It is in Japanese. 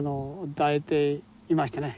抱いていましてね